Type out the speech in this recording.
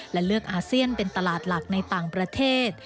และเลือกอาเซียนเป็นตลาดหลักในต่างประเทศ